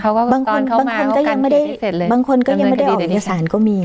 เขาก็ก่อนเข้ามาเขาก็กันที่ที่เสร็จเลยบางคนก็ยังไม่ได้บางคนก็ยังไม่ได้ออกเอกสารก็มี